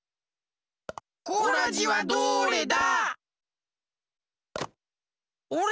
コラジはどれだ？おれ！